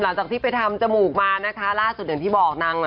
หลังจากที่ไปทำจมูกมานะคะล่าสุดอย่างที่บอกนางมา